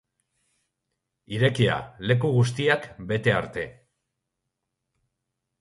Irekia, leku guztiak bete arte.